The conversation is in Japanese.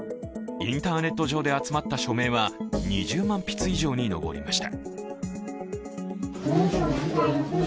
インターネット上で集まった署名は２０万筆以上に上りました。